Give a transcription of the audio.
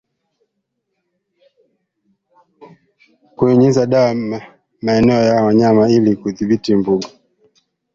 Kunyunyiza dawa maeneo ya wanyama ili kudhibiti mbungo